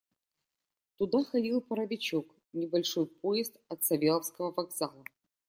Туда ходил паровичок — небольшой поезд от Савеловского вокзала.